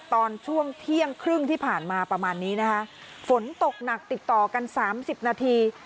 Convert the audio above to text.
ตอนช่วงเที่ยงครึ่งที่ผ่านมาประมาณนี้นะคะฝนตกหนักติดต่อกันสามสิบนาที